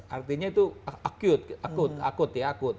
artinya itu akut